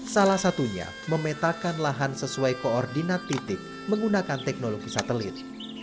salah satunya memetakan lahan sesuai koordinat titik menggunakan teknologi satelit